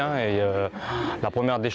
karena kita hidup di negara negara fransai